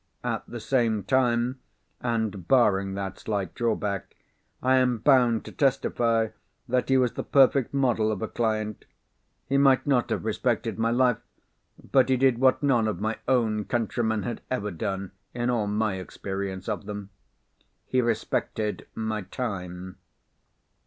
At the same time, and barring that slight drawback, I am bound to testify that he was the perfect model of a client. He might not have respected my life. But he did what none of my own countrymen had ever done, in all my experience of them—he respected my time.